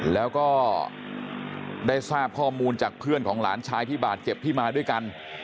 แล้วก็ได้ทราบข้อมูลจากเพื่อนของหลานชายที่บาดเจ็บที่มาด้วยกัน